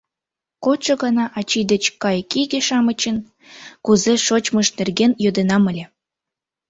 — Кодшо гана ачий деч кайыкиге-шамычын кузе шочмышт нерген йодынам ыле.